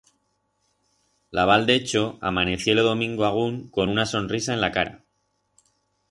La Val d'Echo amanecié lo domingo agún con una sonrisa en la cara.